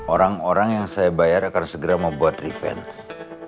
orang orang yang saya bayar akan segera membuat refense